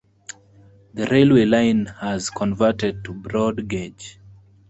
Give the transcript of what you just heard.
The railway line has converted to broad gauge.